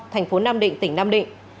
thành phố nam định tỉnh nam định